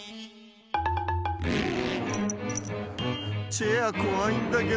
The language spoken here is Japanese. チェアこわいんだけど。